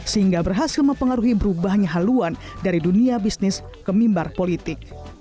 sehingga berhasil mempengaruhi berubahnya haluan dari dunia bisnis ke mimbar politik